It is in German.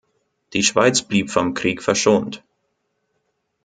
Die Schweiz blieb vom Krieg verschont.